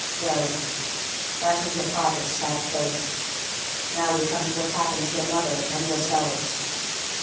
Well, that was your father's sad fate. Now we come to what happened to your mother and yourselves.